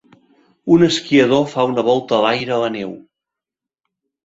Un esquiador fa una volta a l'aire a la neu.